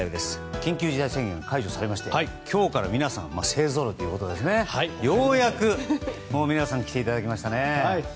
緊急事態宣言が解除されまして今日から皆さん勢ぞろいということでようやく皆さんに来ていただきましたね。